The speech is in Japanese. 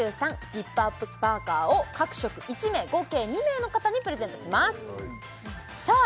ジップアップパーカーを各色１名合計２名の方にプレゼントしますさあ